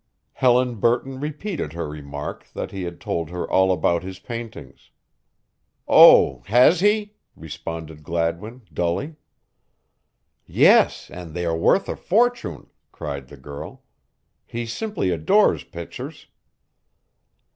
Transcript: Helen Burton repeated her remark that he had told her all about his paintings. "Oh, has he?" responded Gladwin, dully. "Yes, and they are worth a fortune!" cried the girl. "He simply adores pictures."